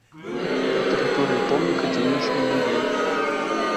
На тэрыторыі помніка дзейнічае музей.